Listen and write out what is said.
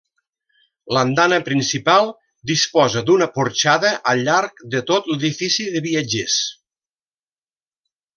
L'andana principal disposa d'una porxada al llarg de tot l'edifici de viatgers.